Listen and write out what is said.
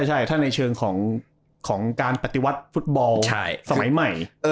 ใช่ถ้าในเชิงของการปฏิวัติฟุตบอลสมัยใหม่